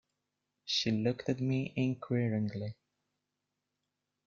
She looked at me inquiringly.